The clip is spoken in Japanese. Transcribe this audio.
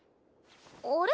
あれ？